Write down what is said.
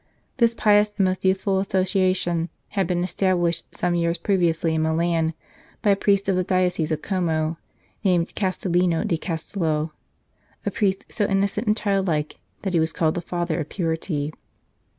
This pious and most useful association had been established some years previously in Milan by a priest of the Diocese of Como, named Castellino di Castello, a priest so innocent and childlike that he was called the Father of Purity.